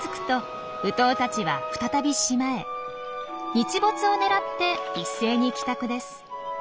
日没をねらって一斉に帰宅です。